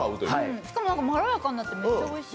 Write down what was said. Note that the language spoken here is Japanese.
しかもまろやかになってめっちゃおいしい。